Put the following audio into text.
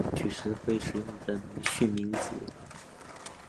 作词及作曲时会使用本名巽明子。